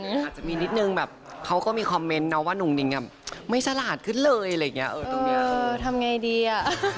อาจจะมีนิดนึงแบบเขาก็มีคอมเมนต์นะว่าหนุ่มนิงอ่ะไม่ฉลาดขึ้นเลยอะไรอย่างเงี้เออตรงนี้เออทำไงดีอ่ะ